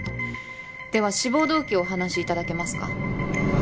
では志望動機をお話いただけますか？